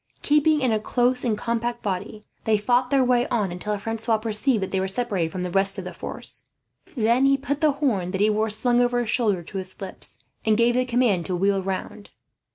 Keeping in a close and compact body, they fought their way on until Francois perceived that they were separated from the rest of the force. Then he put the horn that he wore slung over his shoulder to his lips, and gave the command to wheel round.